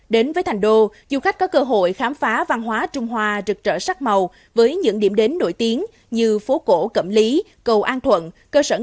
do đó dù khách hàng hay ngân hàng đều phải có sự thận trọng